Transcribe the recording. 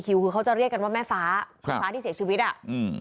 คือเขาจะเรียกกันว่าแม่ฟ้าพ่อฟ้าที่เสียชีวิตอ่ะอืม